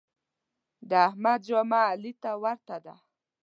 د احمد جامه علي ته ورته ده.